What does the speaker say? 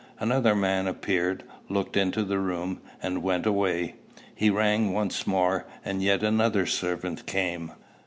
Another man appeared, looked into the room, and went away. He rang once more, and yet another servant came.